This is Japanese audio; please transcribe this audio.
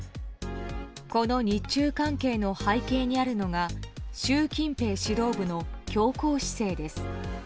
この日中関係の背景にあるのが習近平指導部の強硬姿勢です。